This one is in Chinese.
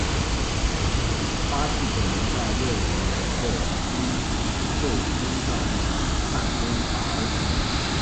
八剌本人在位五年后因受金帐汗攻打而死。